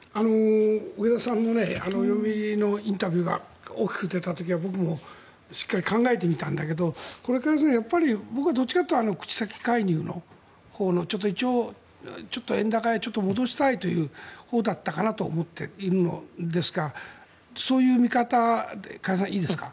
植田さんの読売のインタビューが大きく出た時は僕もしっかり考えてみたんだけど僕はどっちかというと口先介入のほうのちょっと一応、円高で戻したいというほうだったかなと思っているんですがそういう見方でいいですか？